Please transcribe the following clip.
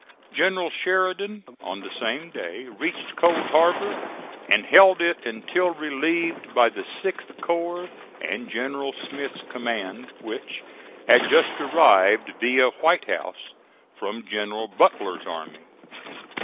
General Sheridan, on the same day, reached Cold Harbor, and held it until relieved by the 6th corps and General Smith's command, which had just arrived, via White House, from General Butler's army.